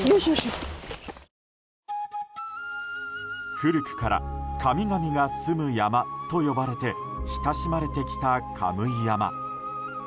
古くから神々がすむ山と呼ばれて親しまれてきた神居山。